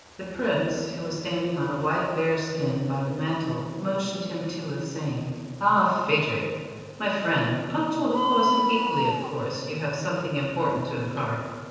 The Prince, who was standing on a white bear's skin by the mantel, motioned him to it, saying: "Ah, Phadrig, my friend, punctual, of course; and equally, of course, you have something important to impart.